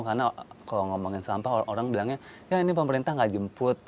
karena kalau ngomongin sampah orang bilangnya ya ini pemerintah tidak jemput